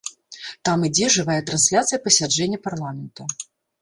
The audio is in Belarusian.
Там ідзе жывая трансляцыя пасяджэння парламента.